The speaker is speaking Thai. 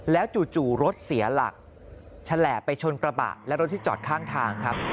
แล้วจู่รถเสียหลักแฉแหละไปชนกระบะและรถที่จอดข้างทางครับ